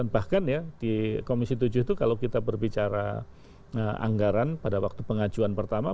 bahkan ya di komisi tujuh itu kalau kita berbicara anggaran pada waktu pengajuan pertama